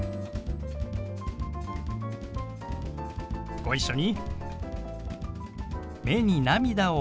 ご一緒に。